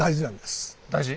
大事？